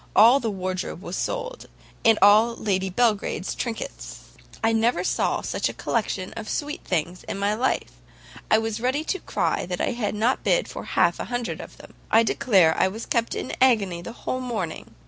All the wardrobe was sold, and all Lady Belgrade's trinkets. I never saw such a collection of sweet things in my life. I was ready to cry that I could not bid for half a hundred of them. I declare I was kept in an agony the whole morning.